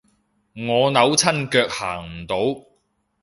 我扭親腳行唔到